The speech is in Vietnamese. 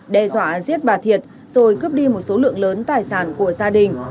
đe dọa giết bà thiệt rồi cướp đi một số lượng lớn tài sản của gia đình